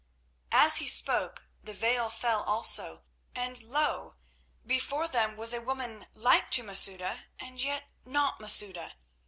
As he spoke the veil fell also, and lo! before them was a woman like to Masouda and yet not Masouda.